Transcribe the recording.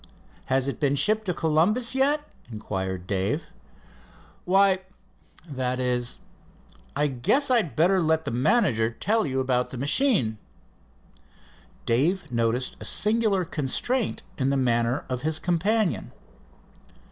"Has it been shipped to Columbus yet?" inquired Dave. "Why that is, I guess I had better let the manager tell you about the machine." Dave noticed a singular constraint in the manner of his companion.